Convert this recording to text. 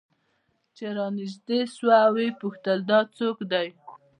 چې رانژدې سوه ويې پوښتل دا څوك دى؟